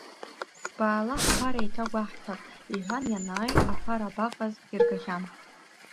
Баала, ҳԥара еиҭагәаҳҭап, — иҳәан ианааи, аԥара абаҟаз, иргахьан.